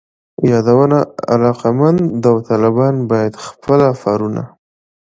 یادونه: علاقمند داوطلبان باید خپل آفرونه